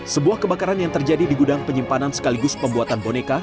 sebuah kebakaran yang terjadi di gudang penyimpanan sekaligus pembuatan boneka